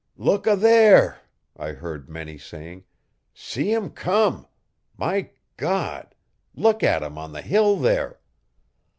'Look a there!' I heard many saying. 'See 'em come! My God! Look at 'em on the hill there!